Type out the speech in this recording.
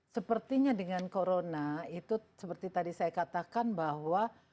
sepertinya dengan corona itu seperti tadi saya katakan bahwa